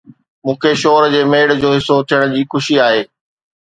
مون کي شور جي ميڙ جو حصو ٿيڻ جي خوشي آهي